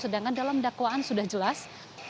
sedangkan dalam dakwaan sudah jelas